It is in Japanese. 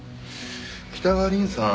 北川凛さん